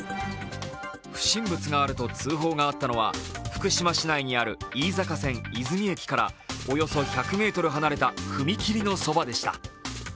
不審物があると通報があったのは、福島市内にある飯坂線泉駅からおよそ１００ｍ離れた踏切のそばでした。